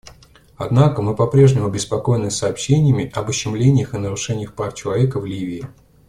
Однако мы по-прежнему обеспокоены сообщениями об ущемлениях и нарушениях прав человека в Ливии.